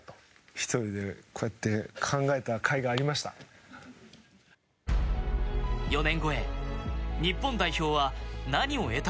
１人でこうやって考えたかいがありました。